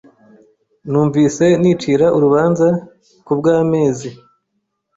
Numvise nicira urubanza kubwamezi.